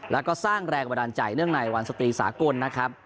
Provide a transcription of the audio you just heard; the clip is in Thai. แล้วก็สร้างแรงบันดาลใจเนื่องในวันสตรีสากลนะครับ